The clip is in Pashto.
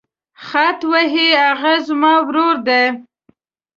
خط وهي هغه زما ورور دی.